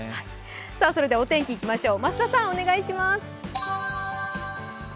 それでは、お天気いきましょう。